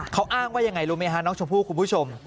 เขาอ้างว่ายังไงรู้ไหมฮะน้องชมพู่คุณผู้ชม